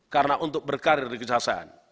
karena untuk berkarir di kejaksaan